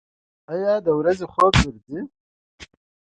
ایا د ورځې خوب درځي؟